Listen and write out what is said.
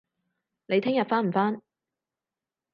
你聽日返唔返